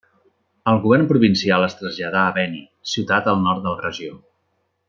El govern provincial es traslladà a Beni, ciutat al nord de la regió.